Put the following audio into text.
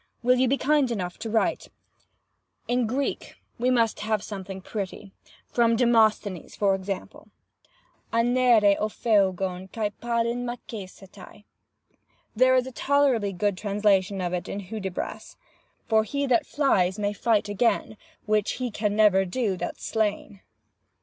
Will you be kind enough to write? "In Greek we must have some thing pretty—from Demosthenes, for example. Ανερο φευων και παλιν μαχεσεται. [Aner o pheugoen kai palin makesetai.] There is a tolerably good translation of it in Hudibras— 'For he that flies may fight again, Which he can never do that's slain.